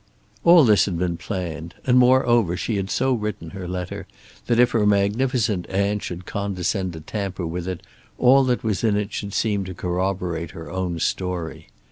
All this had been planned; and, moreover, she had so written her letter that if her magnificent aunt should condescend to tamper with it all that was in it should seem to corroborate her own story.